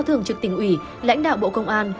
thường trực tỉnh ủy lãnh đạo bộ công an